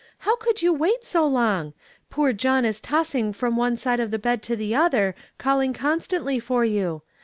How could you wait so long? Poor John is tossing from one side of the bed to the otlier, calling constantly for you.